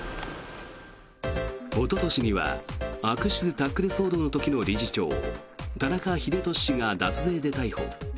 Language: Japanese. おととしには悪質タックル騒動の時の理事長田中英壽氏が脱税で逮捕。